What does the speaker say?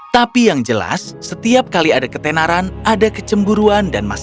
tapi yang jelas setiap kali ada ketenaran ada kecemburuan dan masalah